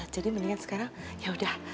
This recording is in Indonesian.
jadi mendingan sekarang yaudah